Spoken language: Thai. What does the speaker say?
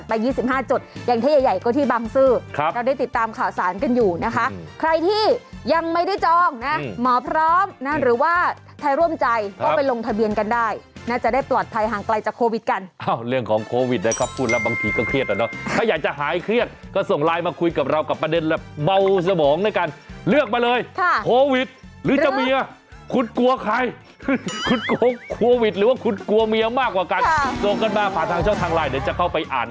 พี่จองหมอพร้อมหรือว่าใครร่วมใจก็ไปลงทะเบียนกันได้น่าจะได้ปลอดภัยห่างไกลจากโควิดกันเรื่องของโควิดได้ครับบางทีก็เครียดแล้วเนอะถ้าอยากจะหายเครียดก็ส่งไลน์มาคุยกับเรากับประเด็นเบาสมองด้วยกันเลือกมาเลยโควิดหรือจะเมียคุดกลัวใครคุดกลัวโควิดหรือว่าคุดกลัวเมียมากกว่ากั